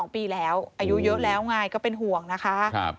๒ปีแล้วอายุเยอะแล้วไงก็เป็นห่วงนะคะ